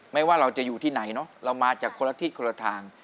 ว่าเราจะอยู่ที่ไหนเนอะเรามาจากคนละทิศคนละทาง